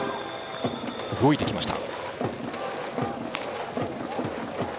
動いてきました。